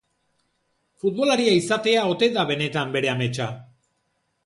Futbolaria izatea ote da benetan bere ametsa?